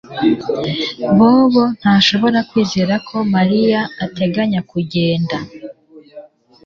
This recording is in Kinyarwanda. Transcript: Bobo ntashobora kwizera ko Mariya ateganya kugenda